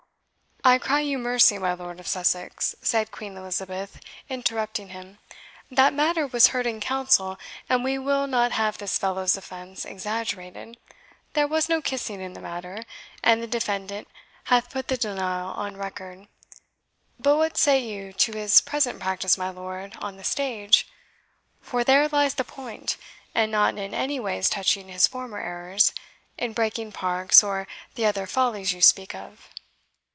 "I cry you mercy, my Lord of Sussex," said Queen Elizabeth, interrupting him; "that matter was heard in council, and we will not have this fellow's offence exaggerated there was no kissing in the matter, and the defendant hath put the denial on record. But what say you to his present practice, my lord, on the stage? for there lies the point, and not in any ways touching his former errors, in breaking parks, or the other follies you speak of."